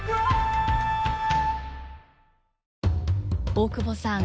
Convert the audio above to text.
大久保さん